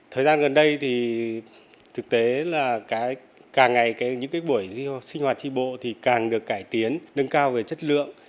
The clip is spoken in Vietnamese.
thời gian gần đây thì thực tế là càng ngày những cái buổi sinh hoạt tri bộ thì càng được cải tiến nâng cao về chất lượng